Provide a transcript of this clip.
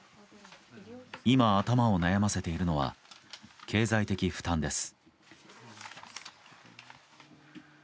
今、頭を悩ませているのは経済的負担です。